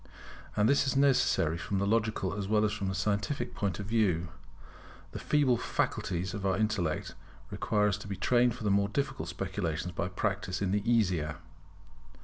And this is necessary from the logical as well as from the scientific point of view. The feeble faculties of our intellect require to be trained for the more difficult speculations by practice in the easier.